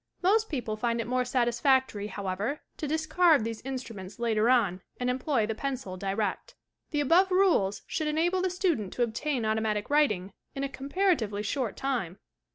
Most people find it more satisfactory, however, to discard these instruments later on, and employ the pencil direct. The above rules should enable the student to obtain automatic writing in a comparatively short time.